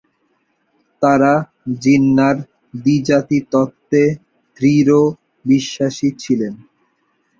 তাঁরা জিন্নাহর দ্বিজাতি তত্ত্বে দৃঢ় বিশ্বাসী ছিলেন।